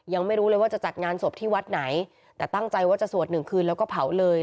ยังไม่รู้เลยว่าจะจัดงานศพที่วัดไหนแต่ตั้งใจว่าจะสวดหนึ่งคืนแล้วก็เผาเลย